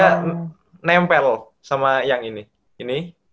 ini ototnya nempel sama yang ini ini